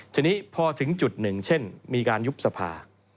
ทีนี้พอถึงจุดหนึ่งเช่นมีการยุบสภา